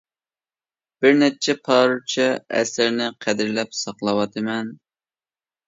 بىر نەچچە پارچە ئەسىرنى قەدىرلەپ ساقلاۋاتىمەن.